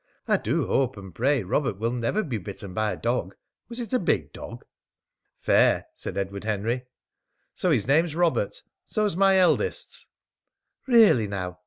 "I do hope and pray Robert will never be bitten by a dog. Was it a big dog?" "Fair," said Edward Henry. "So his name's Robert! So's my eldest's!" "Really now!